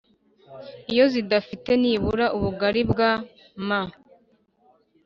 iyo zidafite nibura ubugali bwa m